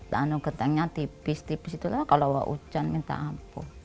dano gentengnya tipis tipis itulah kalau hujan minta ampuh